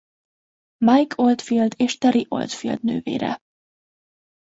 Mike Oldfield és Terry Oldfield nővére.